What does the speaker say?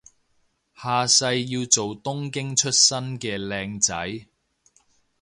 下世要做東京出身嘅靚仔